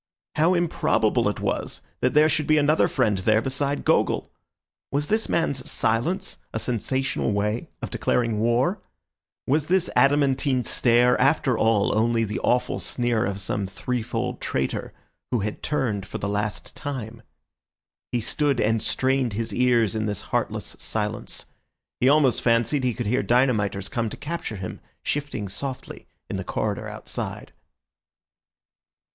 How improbable it was that there should be another friend there beside Gogol! Was this man's silence a sensational way of declaring war? Was this adamantine stare after all only the awful sneer of some threefold traitor, who had turned for the last time? He stood and strained his ears in this heartless silence. He almost fancied he could hear dynamiters come to capture him shifting softly in the corridor outside.